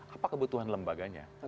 apa kebutuhan lembaganya